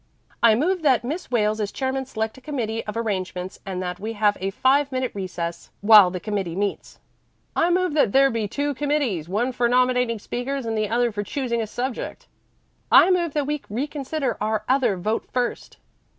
"I move that Miss Wales as chairman select a committee of arrangements, and that we have a five minute recess while the committee meets." "I move that there be two committees, one for nominating speakers and the other for choosing a subject." "I move that we reconsider our other vote first."